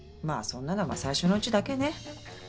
まあそんなのは最初のうちだけね。